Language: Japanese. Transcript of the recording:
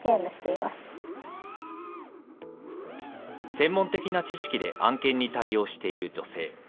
専門的な知識で案件に対応している女性。